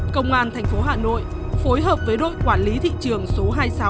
công an thành phố hà nội phối hợp với đội quản lý thị trường số hai mươi sáu